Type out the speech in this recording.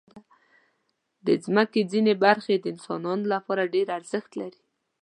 د مځکې ځینې برخې د انسانانو لپاره ډېر ارزښت لري.